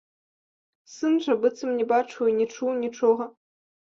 Сын жа быццам не бачыў і не чуў нічога.